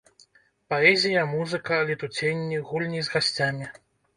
Паэзія, музыка, летуценні, гульні з гасцямі!